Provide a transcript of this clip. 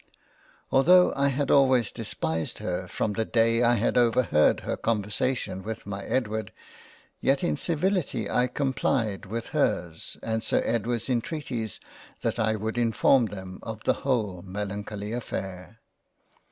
Although I had always despised her from the Day I had overheard her conversation with my Edward, yet in civility I complied with hers and Sir Edward's intreaties that I would inform them of the whole melancholy affair.